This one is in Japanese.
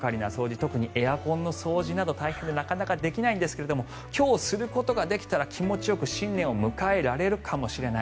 特にエアコンの掃除なんかはなかなかできないんですが今日することができたら気持ちよく新年を迎えられるかもしれない。